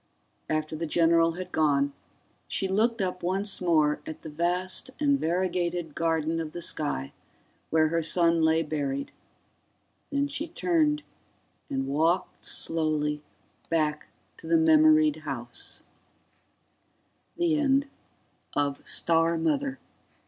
After the general had gone, she looked up once more at the vast and variegated garden of the sky where her son lay buried, then she turned and walked slowly back to the memoried house.